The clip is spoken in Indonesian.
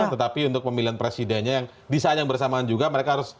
tetapi untuk pemilihan presidennya yang bisa saling bersamaan juga mereka harus